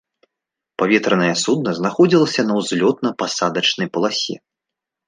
Паветранае судна знаходзілася на ўзлётна-пасадачнай паласе.